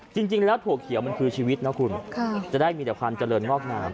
จริงแล้วถั่วเขียวมันคือชีวิตนะคุณจะได้มีแต่ความเจริญงอกงาม